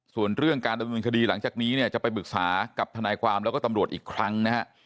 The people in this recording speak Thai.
ส่วนเรื่องการดำเนินคดีหลังจากนี้เนี่ยจะไปปรึกษากับทนายความแล้วก็ตำรวจอีกครั้งนะฮะ